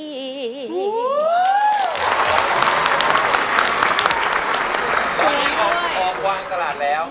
พอความกว้างตลาดแล้ว